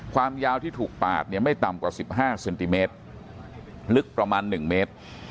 ความยาวที่ถูกปาดเนี่ยไม่ต่ำกว่า๑๕เซนติเมตรลึกประมาณ๑เมตร